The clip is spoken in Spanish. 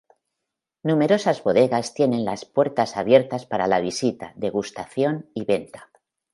Numerosas bodegas tienen las puertas abiertas para la visita, degustación y venta.